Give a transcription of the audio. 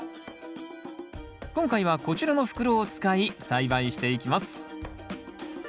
今回はこちらの袋を使い栽培していきます。